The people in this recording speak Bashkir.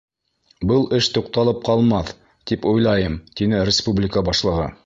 Был эш туҡталып ҡалмаҫ, тип уйлайым, — тине республика башлығы.